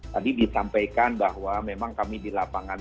tadi disampaikan bahwa memang kami di lapangan